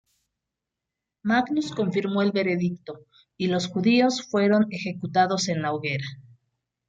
Magnus confirmó el veredicto, y los judíos fueron ejecutados en la hoguera.